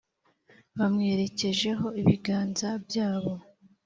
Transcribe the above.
bamwerekejeho ibiganza byabo